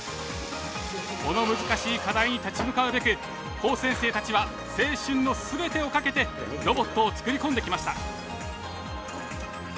この難しい課題に立ち向かうべく高専生たちは青春の全てをかけてロボットを作り込んできました。